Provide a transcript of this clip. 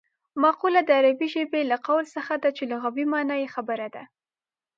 مقوله د عربي ژبې له قول څخه ده چې لغوي مانا یې خبره ده